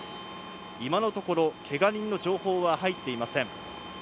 今のところけが人の情報は入っていません。